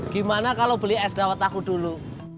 gimana kalau beli es dawet tahu dulu